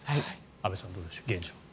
安部さんどうでしょう現状。